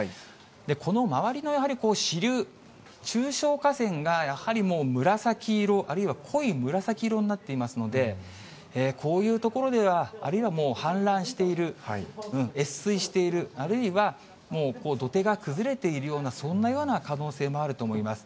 この周りのやはり支流、中小河川が、やはりもう紫色、あるいは濃い紫色になっていますので、こういう所では、あるいはもう氾濫している、越水している、あるいはもう土手が崩れているような、そんなような可能性もあると思います。